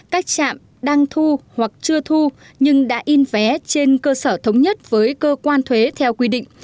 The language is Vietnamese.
các trạm đang thu hoặc chưa thu nhưng đã in vé trên cơ sở thống nhất với cơ quan thuế theo quy định